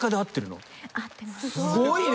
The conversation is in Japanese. すごいね！